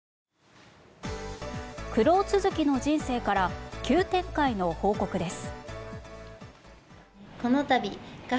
苦労続きの人生から急展開の報告です。